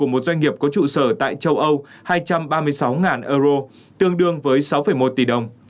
một doanh nghiệp có trụ sở tại châu âu hai trăm ba mươi sáu euro tương đương với sáu một tỷ đồng